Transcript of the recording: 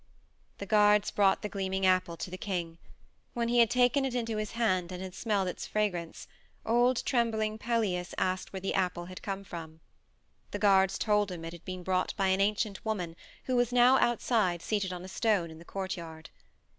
The guards brought the gleaming apple to the king. When he had taken it into his hand and had smelled its fragrance, old trembling Pelias asked where the apple had come from. The guards told him it had been brought by an ancient woman who was now outside seated on a stone in the courtyard.